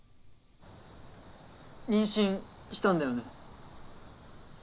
妊娠したんだよね？